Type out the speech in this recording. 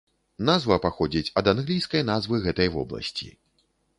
Назва паходзіць ад англійскай назвы гэтай вобласці.